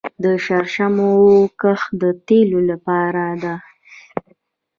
د شرشمو کښت د تیلو لپاره دی